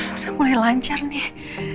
udah mulai lancar nih